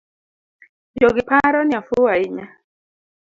Jogiparo ni afuwo ainya.